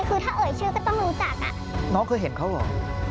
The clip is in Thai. คือถ้าเอ่ยชื่อก็ต้องรู้จักอ่ะน้องเคยเห็นเขาเหรอ